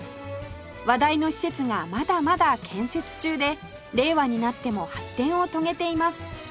話題の施設がまだまだ建設中で令和になっても発展を遂げています